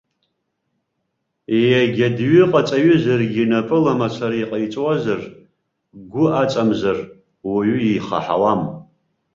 Егьа дҩыҟаҵаҩызаргьы, напыла мацара иҟаиҵозар, гәы аҵамзар, уаҩы ихаҳауам.